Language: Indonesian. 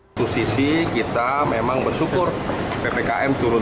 satu sisi kita memang bersyukur ppkm turun